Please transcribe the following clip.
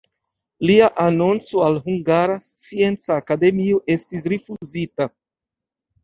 Lia anonco al Hungara Scienca Akademio estis rifuzita.